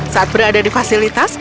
saat berada di fasilitas